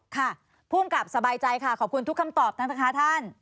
ค่ะภูมิกับสบายใจค่ะขอบคุณทุกคำตอบท่านนะคะท่าน